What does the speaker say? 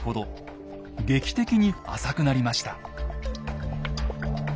劇的に浅くなりました。